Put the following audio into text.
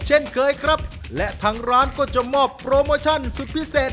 เช่นเคยครับและทางร้านก็จะมอบโปรโมชั่นสุดพิเศษ